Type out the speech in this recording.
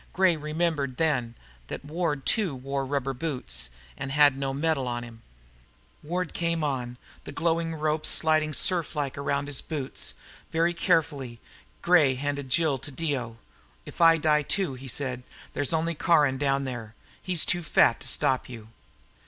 Gray remembered, then, that Ward too wore rubber boots, and had no metal on him. Ward came on, the glowing ropes sliding surf like around his boots. Very carefully. Gray handed Jill to Dio. "If I die too," he said, "there's only Caron down there. He's too fat to stop you."